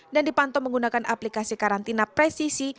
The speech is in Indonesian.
dipantau menggunakan aplikasi karantina presisi